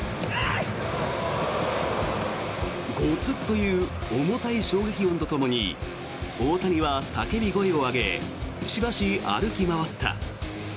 ゴツッという重たい衝撃音とともに大谷は叫び声を上げしばし歩き回った。